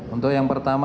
untuk yang pertama